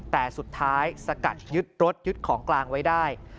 แต่สุดท้ายสกัดยึดรถยึดของกลางไว้ได้